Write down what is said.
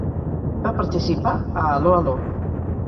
Va participar a "Allo, Allo!"